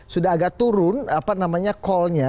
sudah agak turun apa namanya callnya